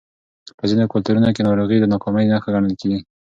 په ځینو کلتورونو کې ناروغي د ناکامۍ نښه ګڼل کېږي.